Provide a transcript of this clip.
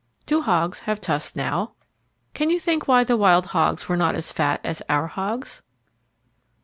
Do hogs have tusks now? Can you think why the wild hogs were not as fat as our hogs?